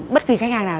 bất kỳ khách hàng nào